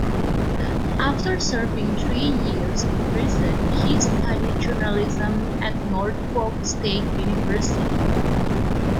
After serving three years in prison, he studied journalism at Norfolk State University.